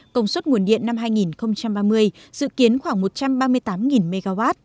công suất nguồn điện năm hai nghìn ba mươi dự kiến khoảng một trăm ba mươi tám mw